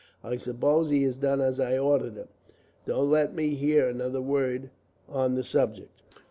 I suppose he has done as I ordered him. Don't let me hear another word on the subject."